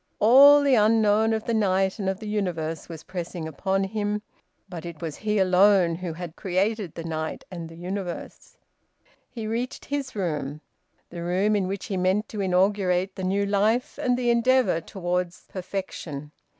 All the unknown of the night and of the universe was pressing upon him, but it was he alone who had created the night and the universe. He reached his room, the room in which he meant to inaugurate the new life and the endeavour towards perfection.